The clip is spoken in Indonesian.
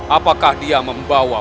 apakah dia membawa